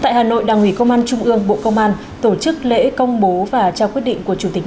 tại hà nội đảng ủy công an trung ương bộ công an tổ chức lễ công bố và trao quyết định của chủ tịch